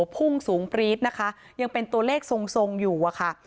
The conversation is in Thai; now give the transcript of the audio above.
พุ่งสูงปรี๊ดนะคะยังเป็นตัวเลขทรงอยู่อะค่ะ